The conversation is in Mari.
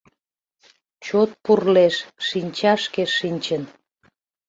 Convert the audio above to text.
Чот пурлеш, шинчашке шинчын.